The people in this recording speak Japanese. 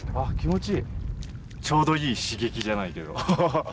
ちょうどいい刺激じゃないけど。